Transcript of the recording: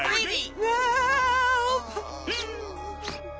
うわ！